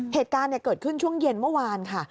เหตุการณ์เกิดขึ้นช่วงเย็นเมื่อวานค่ะ